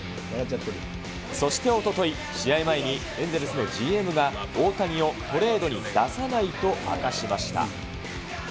そして、おととい、試合前にエンゼルスのＧＭが、大谷をトレードに出さないと明かしました。